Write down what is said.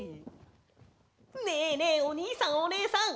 ねえねえおにいさんおねえさん！